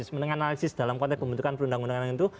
menganalisis dalam konteks pembentukan perundang undangan itu